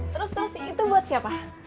terus terus itu buat siapa